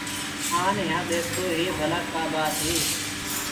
آن يهآ بيٺو هي ڀلآ ڪآ ٻآت هي۔